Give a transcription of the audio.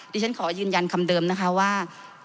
ดิฉันขอยืนยันคำเดิมนะคะว่า